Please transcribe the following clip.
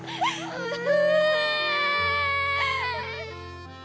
うん！